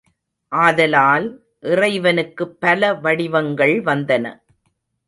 ஆதலால், இறைவனுக்குப் பல வடிவங்கள் வந்தன.